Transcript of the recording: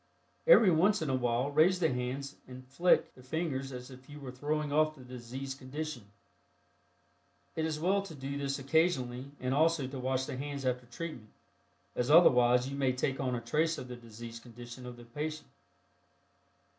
Every once in a while raise the hands and "flick" the fingers as if you were throwing off the diseased condition. It is well to do this occasionally and also to wash the hands after treatment, as otherwise you may take on a trace of the diseased condition of the patient.